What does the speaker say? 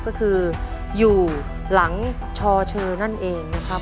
ก็คืออยู่หลังชอเชอร์นั่นเองนะครับ